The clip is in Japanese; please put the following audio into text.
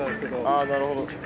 ああなるほど。